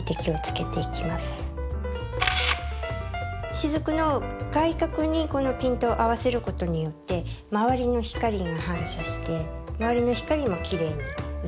しずくの外郭にこのピントを合わせる事によって周りの光が反射して周りの光もきれいに写る。